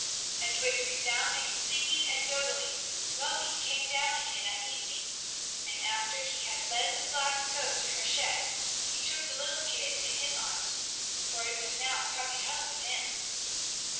And with resounding singing and yodeling Moni came down again at evening and after he had led the black goat to her shed, he took the little kid in his arms, for it was now coming home with him.